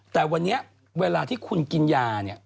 แต่วันนี้เวลาที่คุณกินยาเนี่ย